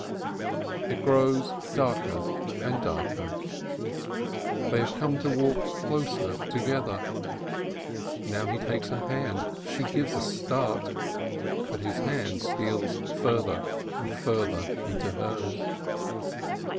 It grows darker and darker. They have come to walk closer together. Now he takes her hand, she gives a start, but his hand steals further and further into hers.